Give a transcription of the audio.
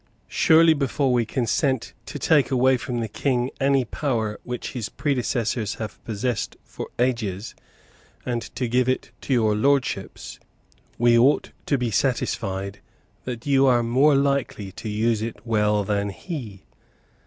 Surely before we consent to take away from the King any power which his predecessors have possessed for ages, and to give it to your Lordships, we ought to be satisfied that you are more likely to use it well than he.